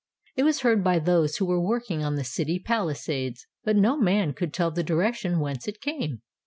It was heard by those who were working on the city palisades; but no man could tell the direction whence it came.